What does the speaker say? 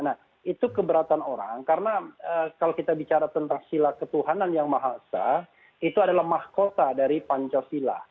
nah itu keberatan orang karena kalau kita bicara tentang sila ketuhanan yang maha esa itu adalah mahkota dari pancasila